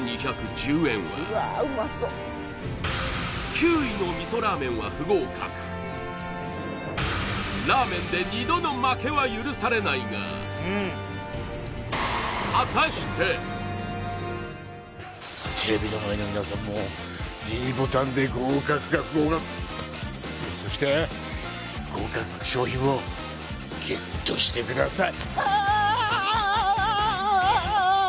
９位の味噌ラーメンは不合格ラーメンで二度の負けは許されないがテレビの前の皆さんもｄボタンで合格か不合格そして豪華賞品をＧＥＴしてください